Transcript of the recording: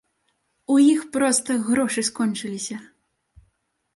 У іх проста грошы скончыліся!